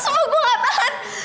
semua gue gak tahan